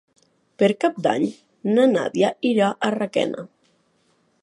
Per Cap d'Any na Nàdia irà a Requena.